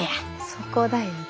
そこだよね。